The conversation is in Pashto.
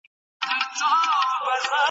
موږ د خطي نسخو په اړه معلومات راټولوو.